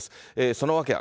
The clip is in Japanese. その訳は。